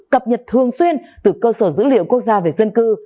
cập nhật thường xuyên từ cơ sở dữ liệu quốc gia về dân cư